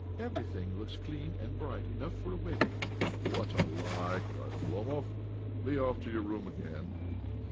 Everything looks clean and bright enough for a wedding." " What a lie I " cried Oblomov. " Be off to your room again